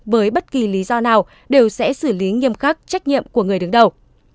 với bất kỳ lý do nào đều sẽ xử lý nghiêm khắc trách nhiệm của người đứng đầu